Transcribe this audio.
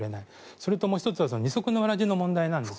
それともう１つは二足のわらじの問題なんですね。